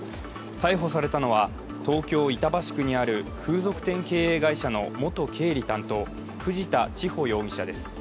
逮捕されたのは、東京・板橋区にある風俗店経営会社の元経理担当、藤田知歩容疑者です。